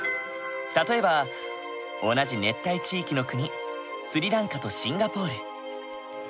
例えば同じ熱帯地域の国スリランカとシンガポール。